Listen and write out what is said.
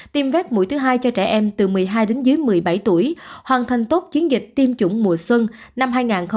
tiêm vét mũi thứ hai cho trẻ em từ một mươi hai đến dưới một mươi bảy tuổi hoàn thành tốt chiến dịch tiêm chủng mùa xuân năm hai nghìn hai mươi